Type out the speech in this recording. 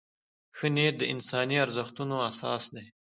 ښه نیت د انساني ارزښتونو اساس دی.